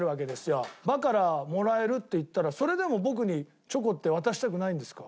「バカラもらえる」って言ったらそれでも僕にチョコって渡したくないんですか？